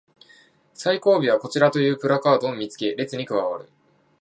最後尾はこちらというプラカードを見つけ列に加わる